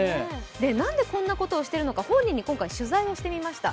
なんでこんなことをしているのか今回本人に取材をしてみました。